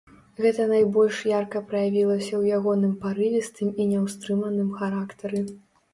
Гэта найбольш ярка праявілася ў ягоным парывістым і няўстрыманым характары.